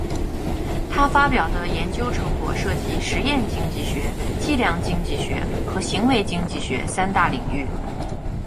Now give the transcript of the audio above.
她发表的研究成果涉及实验经济学、计量经济学和行为经济学三大领域。